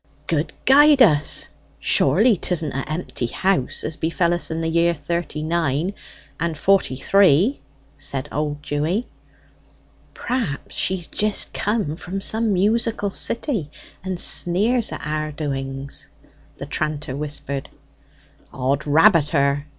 "Good guide us, surely 'tisn't a' empty house, as befell us in the year thirty nine and forty three!" said old Dewy. "Perhaps she's jist come from some musical city, and sneers at our doings?" the tranter whispered. "'Od rabbit her!"